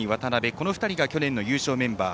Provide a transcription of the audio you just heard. この２人が去年の優勝メンバー。